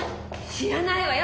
知らないわよ